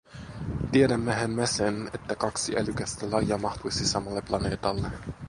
Tiedämmehän me sen, ettei kaksi älykästä lajia mahtuisi samalle planeetalle.